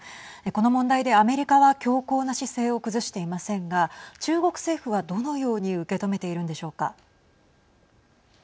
この問題でアメリカは強硬な姿勢を崩していませんが中国政府は、どのように受け止めているんでしょうか。